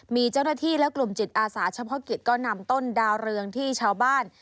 มีเจ้าหน้าที่และกลุ่มจิตอาสาเฉพาะกิจก็นำต้นดาวเรืองที่ชาวบ้าน